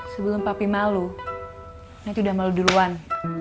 sebelum papi malu nanti udah malu duluan